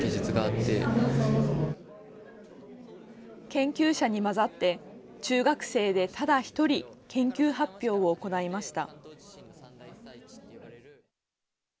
研究者に交ざって中学生でただ１人研究発表を行いました。